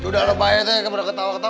duda lebai itu kebetulan ketawa ketawa